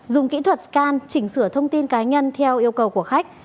dùng kỹ thuật scan chỉnh sửa thông tin cá nhân theo yêu cầu của khách